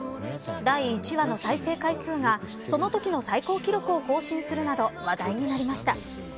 第１話の再生回数がそのときの最高記録を更新するなど話題になりました。